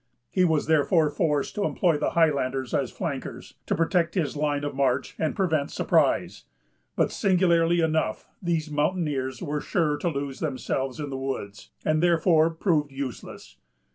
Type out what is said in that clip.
He was therefore forced to employ the Highlanders as flankers, to protect his line of march and prevent surprise; but, singularly enough, these mountaineers were sure to lose themselves in the woods, and therefore proved useless.